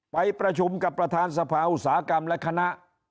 ไปประชุมกับประธานสภาอุตสาหกรรมและคณะ